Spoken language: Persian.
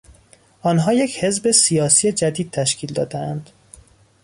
آنها یک حزب سیاسی جدید تشکیل دادهاند.